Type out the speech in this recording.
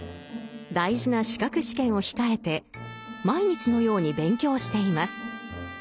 大事な資格試験を控えて毎日のように勉強しています。